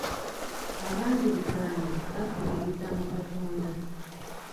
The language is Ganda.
Ab'agirikaani bakkiririza mu Katonda.